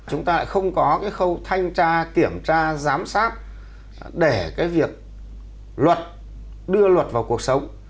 chúng ta lại không có cái khâu thanh tra kiểm tra giám sát để cái việc luật đưa luật vào cuộc sống